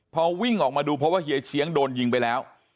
พอวิ่งออกมาดูเพราะว่าเฮียเชียงโดนยิงไปแล้ว